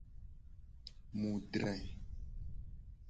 Mu dre.